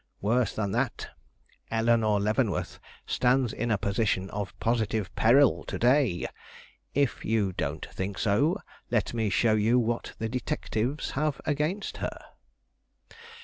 Worse than that, Eleanore Leavenworth stands in a position of positive peril to day. If you don't think so, let me show you what the detectives have against her.